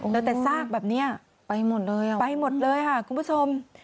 เดี๋ยวแต่ซากแบบนี้ไปหมดเลยค่ะคุณผู้ชม